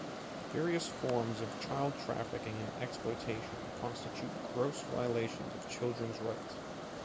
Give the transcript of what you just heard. Various forms of child trafficking and exploitation constitute gross violations of children's rights.